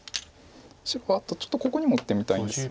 白はあとちょっとここにも打ってみたいんです。